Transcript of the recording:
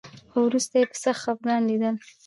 خو وروسته یې په سخت خپګان لیدل